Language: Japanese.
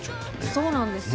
そうなんですよ。